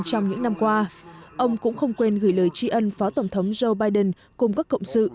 trong những năm qua ông cũng không quên gửi lời tri ân phó tổng thống joe biden cùng các cộng sự